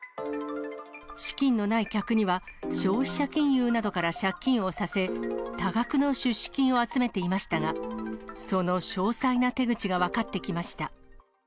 資金のない客には、消費者金融などから借金をさせ、多額の出資金を集めていましたが、その詳細な手口が分かってきました。